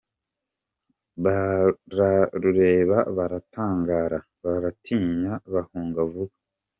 Bararureba baratangara, Baratinya bahunga vuba.